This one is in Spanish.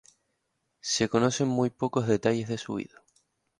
Se conocen muy pocos detalles de su vida.